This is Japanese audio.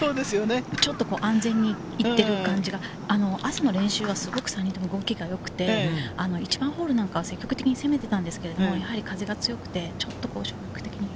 ちょっと安全にいってる感じが朝の練習はすごく３人とも動きが良くて、１番ホールなんかは積極的に攻めていたんですけれど、風が強くて。